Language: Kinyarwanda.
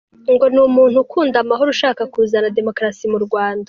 Ngo ni umuntu ukunda amahoro ushaka kuzana demokarasi mu Rwanda !